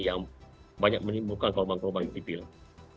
yang banyak menimbulkan keubangan keubangan yang dipilih